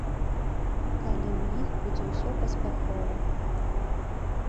Калі ў іх будзе ўсё паспяхова.